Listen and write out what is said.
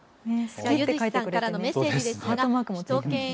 ゆずきさんからのメッセージです。